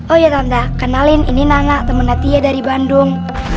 oh iya tanda kenalin ini nana temennya tia dari bandung